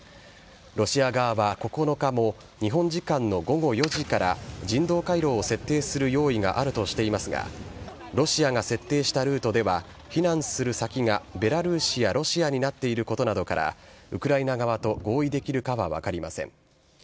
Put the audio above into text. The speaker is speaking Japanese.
ロシア側は９日も日本時間の午後４時から、人道回廊を設定する用意があるとしていますが、ロシアが設定したルートでは避難する先がベラルーシやロシアになっていることなどから、ウクライナ側と合意できるかは分かりません。